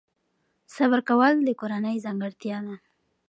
صبر کول د کورنۍ ځانګړتیا ده.